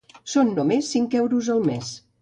Són només cinc euros al mes.